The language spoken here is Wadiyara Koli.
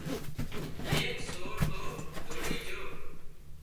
ايڪ سور تو ڌوڙي جھو